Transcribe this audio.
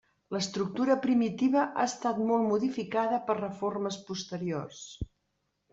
L'estructura primitiva ha estat molt modificada per reformes posteriors.